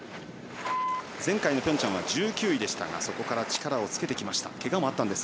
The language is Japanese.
前回のピョンチャンは１９位でしたがそこから力をつけてきました。